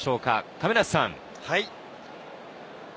亀梨さん。